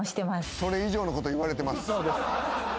それ以上のこと言われてます。